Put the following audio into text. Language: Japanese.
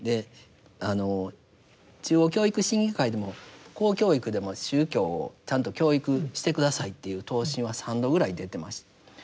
中央教育審議会でも公教育でも宗教をちゃんと教育して下さいという答申は３度ぐらい出てました。